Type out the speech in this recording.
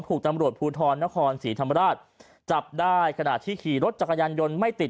ถูกตำรวจภูทรนครศรีธรรมราชจับได้ขณะที่ขี่รถจักรยานยนต์ไม่ติด